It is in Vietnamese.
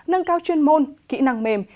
nâng cao chuyên môn kỹ năng mềm